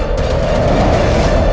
aku akan menikah denganmu